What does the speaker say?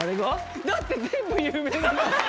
だって全部有名。